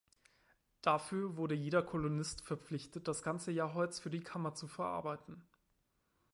Dafür wurde jeder Kolonist verpflichtet, das ganze Jahr Holz für die Kammer zu verarbeiten.